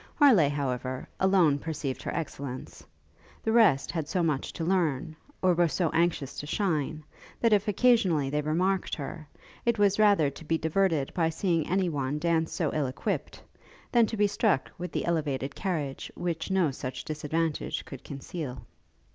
Harleigh, however, alone perceived her excellence: the rest had so much to learn, or were so anxious to shine, that if occasionally they remarked her, it was rather to be diverted by seeing any one dance so ill equipped, than to be struck with the elevated carriage which no such disadvantage could conceal.